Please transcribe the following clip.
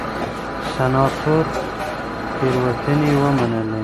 سناتور تېروتنې ومنلې.